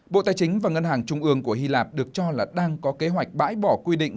bộ tài chính và ngân hàng trung ương của hy lạp được cho là đang có kế hoạch bãi bỏ quy định